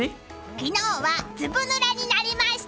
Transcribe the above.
昨日はずぶぬれになりました！